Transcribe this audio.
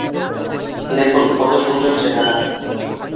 দেখুন, কত সুন্দর চেহারা!